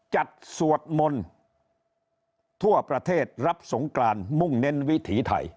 สวดมนต์ทั่วประเทศรับสงกรานมุ่งเน้นวิถีไทย